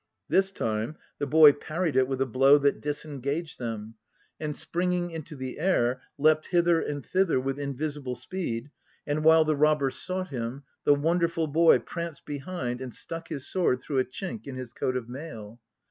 This time the boy parried it with a blow that disengaged them, And springing into the air leapt hither and thither with invisible speed. And while the robber sought him, The wonderful boy pranced behind and stuck his sword through a rhink in his coat of mail.